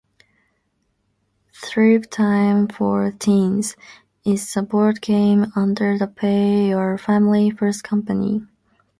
"ThriveTime for Teens" is a board game under the Pay Your Family First company.